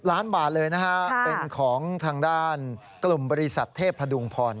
ล้านบาทเลยนะฮะเป็นของทางด้านกลุ่มบริษัทเทพพดุงพร